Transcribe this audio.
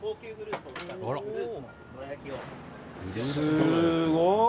すごーい。